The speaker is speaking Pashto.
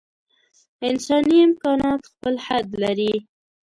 انساني امکانات خپل حد لري.